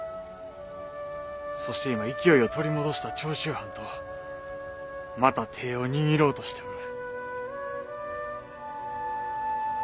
そして今勢いを取り戻した長州藩とまた手を握ろうとしておる。